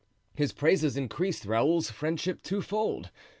His praises increased Raoul's friendship twofold.